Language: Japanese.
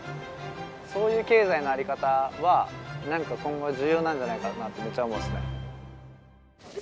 そういう経済のあり方はなんか今後重要なんじゃないかなってめっちゃ思うんですね。